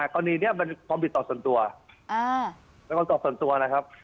กรณีนี้มันความผิดต่อส่วนตัวเป็นความตอบส่วนตัวนะครับ